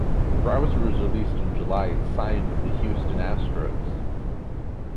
Brower was released in July and signed with the Houston Astros.